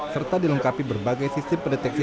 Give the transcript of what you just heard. serta dilengkapi berbagai sistem pendeteksi